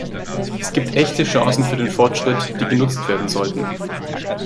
Es gibt echte Chancen für den Fortschritt, die genutzt werden sollten.